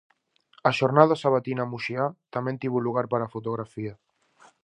A xornada sabatina muxiá tamén tivo lugar para a fotografía.